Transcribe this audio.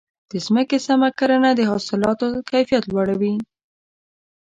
د ځمکې سم کرنه د حاصلاتو کیفیت لوړوي.